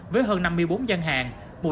với hơn năm mươi bốn dân hàng